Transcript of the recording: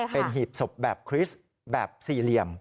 เป็นหีบศพแบบคริสต์แบบสี่เหลี่ยม